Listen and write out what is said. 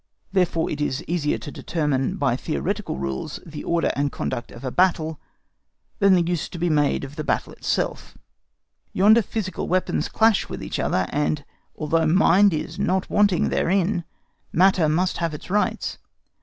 Therefore it is easier to determine, by theoretical rules, the order and conduct of a battle, than the use to be made of the battle itself. Yonder physical weapons clash with each other, and although mind is not wanting therein, matter must have its rights.